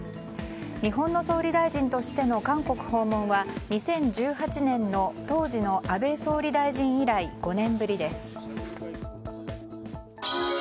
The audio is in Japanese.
日本の総理大臣としての韓国訪問は２０１８年の当時の安倍総理大臣以来５年ぶりです。